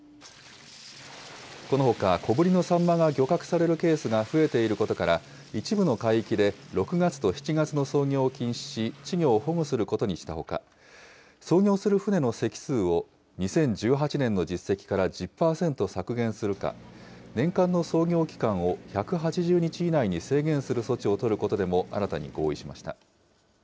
このほか、小ぶりのサンマが漁獲されるケースが増えていることから、一部の海域で６月と７月の操業を禁止し、稚魚を保護することにしたほか、操業する船の隻数を、２０１８年の実績から１０％削減するか、年間の操業期間を１８０日以内に制限する措置を取ることでも新たに合意しました。